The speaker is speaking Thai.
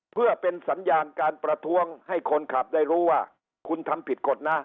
เพื่อเป็นสัญญาณการประท้วงให้คนขับได้รู้ว่าคุณทำผิดกฎนะ